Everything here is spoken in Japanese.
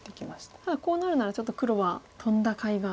ただこうなるならちょっと黒はトンだかいが。